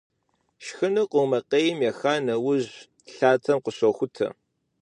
Шхыныр къурмакъейм еха нэужь, лъатэм къыщохутэ.